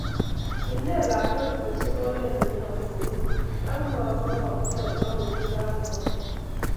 Ineet lakwet koosup oret ne nyolu kobun, ak ma pagaaktoi akot ye kagoosit